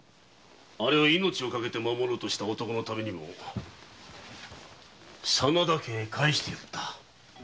あれを命をかけて守ろうとした男のためにも真田家に返した。